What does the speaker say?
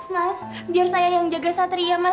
mas biar saya yang jaga satria mas